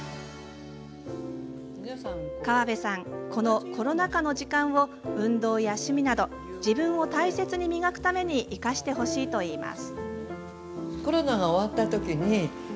川邉さん、このコロナ禍の時間を運動や、趣味など自分を大切に磨くために生かしてほしいと言います。